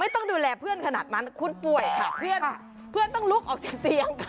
ต้องดูแลเพื่อนขนาดนั้นคุณป่วยค่ะเพื่อนต้องลุกออกจากเตียง